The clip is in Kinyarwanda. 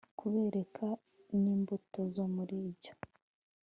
babereka n imbuto zo muri byo